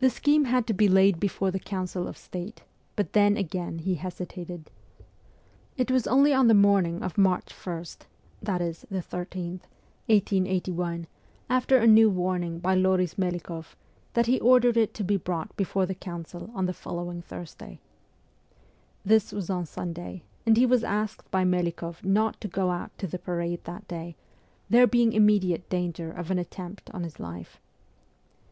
The scheme had to be WESTERN EUROPE 243 laid before the council of state, but then again he hesitated. It was only on the morning of March 1 (13), 1881, after a new warning by Loris Melikoff, that he ordered it to be brought before the council on the following Thursday. This was on Sunday, and he was asked by Melikoff not to go out to the parade that day, there being immediate danger of an attempt on his life.